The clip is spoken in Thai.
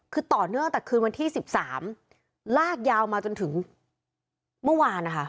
คือต่อเนื่องตั้งแต่คืนวันที่๑๓ลากยาวมาจนถึงเมื่อวานนะคะ